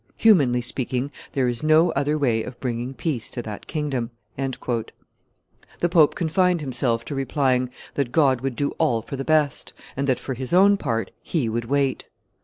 Humanly speaking, there is no other way of bringing peace to that kingdom." The pope confined himself to replying that God would do all for the best, and that, for his own part, he would wait.